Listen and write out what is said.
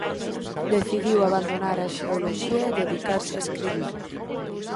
Decidiu abandonar a Xeoloxía e dedicarse a escribir.